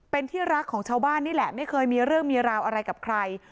เป็นที่รักของชาวบ้านนี่แหละไม่เคยมีเรื่องมีราวอะไรกับใคร